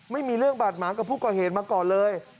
ไม่มีเรื่องบาดหมางกับผู้ก่อเหตุมาก่อนเลย